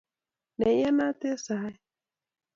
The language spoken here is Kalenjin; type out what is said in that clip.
Ne iyanat eng saet